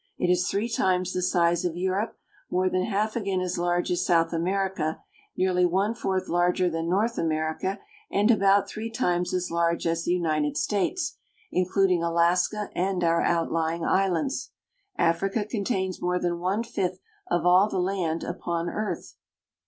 It is three times the size of Europe, more than half again as large as South America, nearly one fourth larger than North America, and about three times as large as the United States, including Alaska and our outlying islands. Africa contains more than one fifth of all the land upon earth.